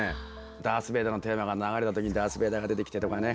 ダース・ベイダーのテーマが流れた時ダース・ベイダーが出てきてとかね